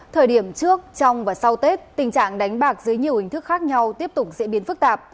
thời điểm trước trong và sau tết tình trạng đánh bạc dưới nhiều hình thức khác nhau tiếp tục diễn biến phức tạp